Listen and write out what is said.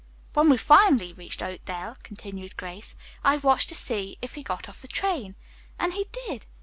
"When we finally reached Oakdale," continued Grace, "I watched to see if he got off the train, and he did.